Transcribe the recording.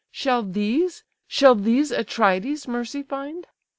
Shall these, shall these Atrides' mercy find?